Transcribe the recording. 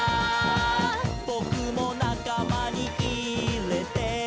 「ボクもなかまにいれて」